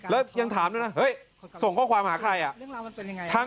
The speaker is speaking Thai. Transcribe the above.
แล้วยังถามส่งข้อความหาใคร